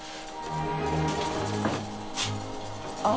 あっ。